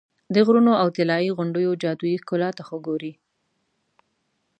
د غرونو او طلایي غونډیو جادویي ښکلا ته خو ګورې.